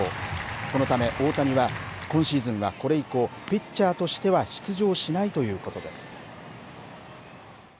このため大谷は今シーズンはこれ以降ピッチャーとしては出場しないということです。